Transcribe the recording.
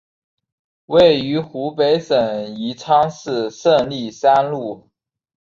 位于湖北省宜昌市胜利三路。